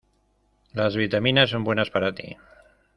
Las vitaminas son buenas para tí.